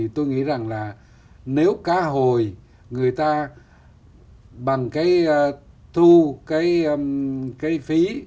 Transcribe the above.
tôi nghĩ rằng là nếu cá hồi người ta bằng cái thu cái phí